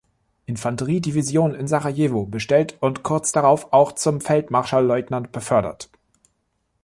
Infanteriedivision in Sarajevo bestellt und kurz darauf auch zum Feldmarschallleutnant befördert.